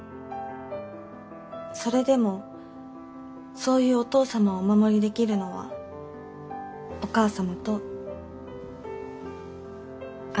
それでもそういうお父様をお守りできるのはお母様とあなた方だけなの。